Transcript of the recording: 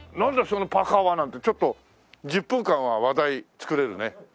そのパーカは」なんてちょっと１０分間は話題作れるね。